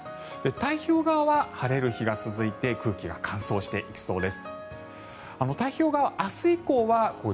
太平洋側は晴れる日が続いて空気が乾燥していきそうです。